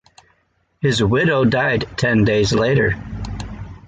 His widow died ten days later.